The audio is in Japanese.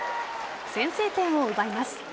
先制点を奪います。